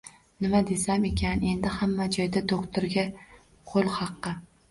Nima desam ekan, endi hamma joyda doktorga qo`l haqi